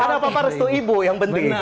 karena apa apa restu ibu yang penting